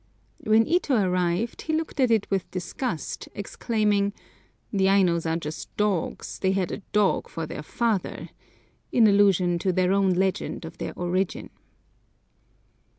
When Ito arrived he looked at it with disgust, exclaiming, "The Ainos are just dogs; they had a dog for their father," in allusion to their own legend of their origin.